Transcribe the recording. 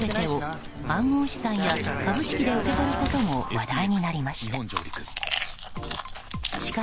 大谷選手が報酬の全てを暗号資産や株式で受け取ることも話題になりました。